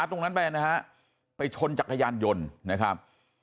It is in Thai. ตรงนั้นไปนะฮะไปชนจักรยานยนต์นะครับ